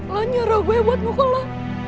lo nyuruh gue buat ngukul lo